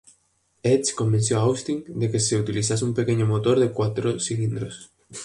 Edge convenció a Austin de que se utilizase un pequeño motor de cuatro cilindros.